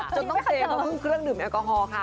จนต้องเซมาพึ่งเครื่องดื่มแอลกอฮอล์ค่ะ